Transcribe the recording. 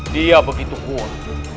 dia begitu kuat